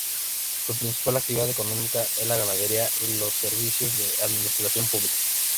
Su principal actividad económica es la ganadería y los servicios de administración pública.